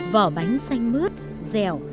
vỏ bánh xanh mướt dẻo